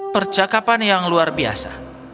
percakapan yang luar biasa